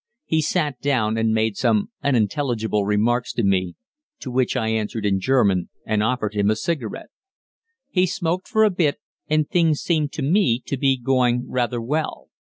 He sat down and made some unintelligible remarks to me, to which I answered in German, and offered him a cigarette. He smoked for a bit, and things seemed to me to be going rather well.